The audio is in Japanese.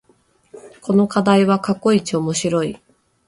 この課題は過去一面白い